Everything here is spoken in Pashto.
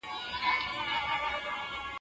چي اوږدې نه کړي هیڅوک پښې له شړیو